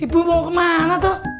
ibu mau kemana tuh